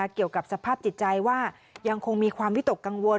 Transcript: เกี่ยวกับสภาพจิตใจว่ายังคงมีความวิตกกังวล